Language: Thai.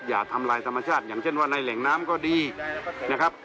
อย่าทำลายธรรมชาติอย่างเช่นว่าในแหล่งน้ำก็ดีนะครับ